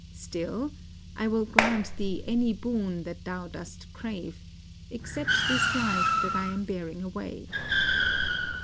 Still, I will grant thee any boon that thou dost crave, except this Ufe that I am bearing away."